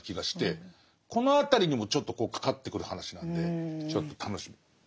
この辺りにもちょっとかかってくる話なんでちょっと楽しみ。